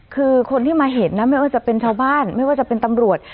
คือคนที่มาเห็นนะไม่ว่าจะเป็นชาวบ้านไม่ว่าจะเป็นตำรวจ